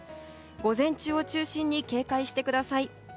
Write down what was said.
午前中を中心に警戒してください。